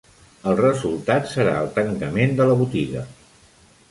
El resultat serà el tancament de la botiga.